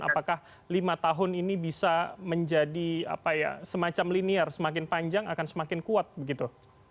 apakah lima tahun ini bisa menjadi semacam linier semakin panjang akan semakin kuat begitu